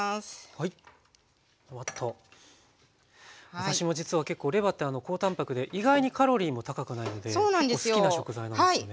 私も実は結構レバーって高たんぱくで意外にカロリーも高くないので結構好きな食材なんですよね。